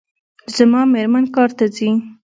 زما میرمن کار ته ځي